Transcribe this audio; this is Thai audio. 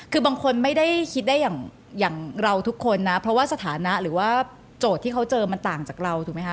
คือบางคนไม่ได้คิดได้อย่างเราทุกคนนะเพราะว่าสถานะหรือว่าโจทย์ที่เขาเจอมันต่างจากเราถูกไหมคะ